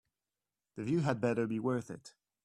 The view had better be worth it.